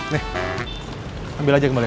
nih ambil aja kembali